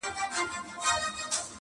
کيسه په کابل کي ولوستل سوه,